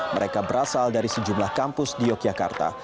mereka berasal dari sejumlah kampus di yogyakarta